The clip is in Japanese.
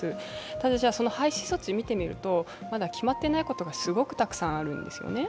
ただ廃止措置を見てみると、まだ決まっていないことがすごくたくさんあるんですよね。